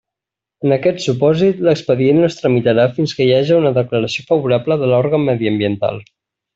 En aquest supòsit, l'expedient no es tramitarà fins que hi haja una declaració favorable de l'òrgan mediambiental.